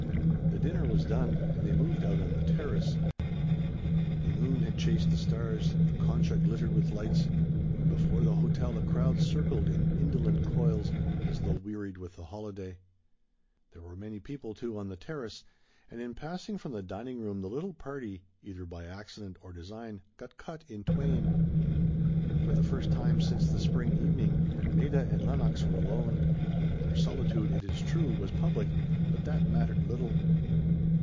The dinner was done, and they moved out on the terrace. The moon had chased the stars, the Concha glittered with lights, and before the hotel a crowd circled in indolent coils as though wearied with the holiday. There were many people, too, on the terrace, and in passing from the dining room the little party, either by accident or design, got cut in twain. For the first time since the spring evening, Maida and Lenox were alone. Their solitude, it is true, was public, but that mattered little.